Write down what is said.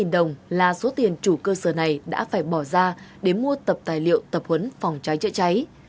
sáu trăm năm mươi đồng là số tiền chủ cơ sở này đã phải bỏ ra để mua tập tài liệu tập huấn phòng trái chết cháy